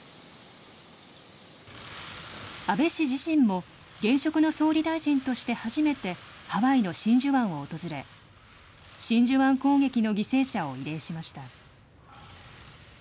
安倍氏自身も、現職の総理大臣として初めてハワイの真珠湾を訪れ、真珠湾攻撃の犠牲者を慰霊しました。